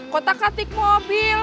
kota katik mobil